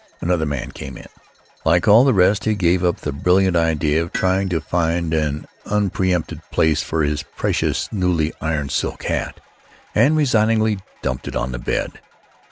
Another man came in. Like all the rest, he gave up the brilliant idea of trying to find an unpreëmpted place for his precious newly ironed silk hat, and resignedly dumped it on the bed.